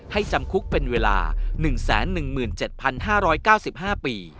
จำคุกเป็นเวลา๑๑๗๕๙๕ปี